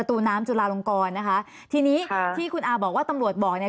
ทีนี้ค่ะที่คุณอ่าบอกว่าตำรวจบอกเนี้ย